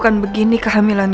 kapanpun aku mau